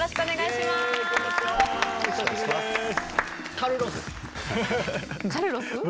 カルロス？